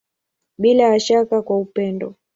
Bila ya shaka kwa upendo.